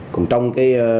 còn trong cái